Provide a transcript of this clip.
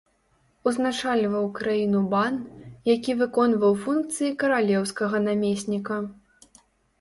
Узначальваў краіну бан, які выконваў функцыі каралеўскага намесніка.